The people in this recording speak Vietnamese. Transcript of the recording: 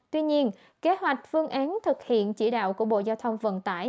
tuy nhiên kế hoạch phương án thực hiện chỉ đạo của bộ giao thông vận tải